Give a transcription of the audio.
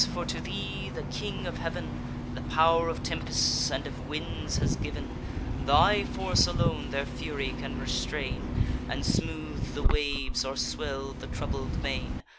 for to thee the King of Heav'n The pow'r of tempests and of winds has giv'n; Thy force alone their fury can restrain, And smooth the waves, or swell the troubled main.